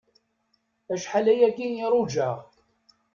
Acḥal ayagi i rujaɣ.